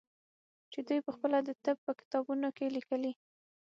چې دوى پخپله د طب په کتابونو کښې ليکلي.